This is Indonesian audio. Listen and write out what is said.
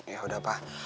ya udah pak